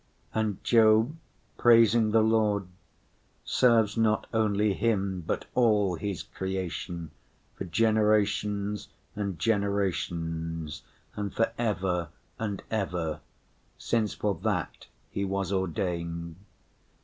And Job, praising the Lord, serves not only Him but all His creation for generations and generations, and for ever and ever, since for that he was ordained.